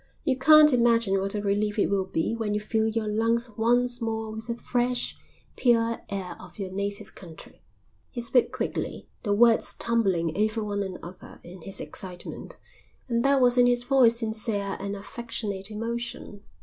You can't imagine what a relief it will be when you fill your lungs once more with the fresh, pure air of your native country." He spoke quickly, the words tumbling over one another in his excitement, and there was in his voice sincere and affectionate emotion.